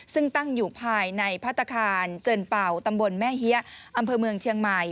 ซึ่งตั้งอยู่ภายในพัฒนาคารเจินเป่าตำบลแม่เฮียอำเภอเมืองเชียงใหม่